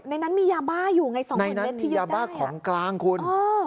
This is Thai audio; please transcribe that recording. ในนั้นมียาบ้าอยู่ไง๒๐๐เมตรในนั้นมียาบ้าของกลางคุณ